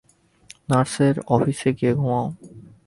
নার্সের অফিসে গিয়ে ঘুমাও।